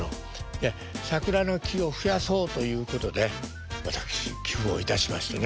いや桜の木を増やそうということで私寄付をいたしましてね